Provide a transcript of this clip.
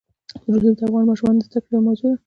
رسوب د افغان ماشومانو د زده کړې یوه موضوع ده.